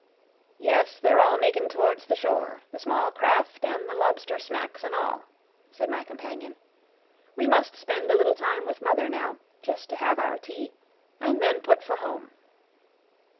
"Yes, they're all makin' towards the shore, the small craft an' the lobster smacks an' all," said my companion. "We must spend a little time with mother now, just to have our tea, an' then put for home."